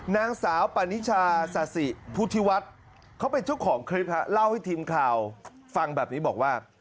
นางสาวปานิชาศาสิพุทธิวัฒน์เขาเป็นเจ้าของคลิปเล่าให้ทีมข่าวฟังแบบนี้บอกว่า